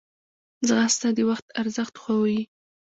ځغاسته د وخت ارزښت ښووي